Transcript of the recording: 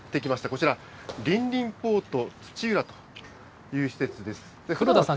こちら、りんりんポート土浦という施設です。